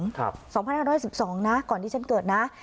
ครับสองพันห้าร้อยสิบสองนะก่อนที่ฉันเกิดนะ